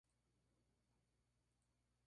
Tarō Sugimoto